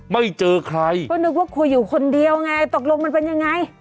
ไม่เจอใครก็นึกว่าคุยอยู่คนเดียวไงตกลงมันเป็นยังไง